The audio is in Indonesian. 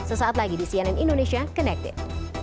sesaat lagi di cnn indonesia connected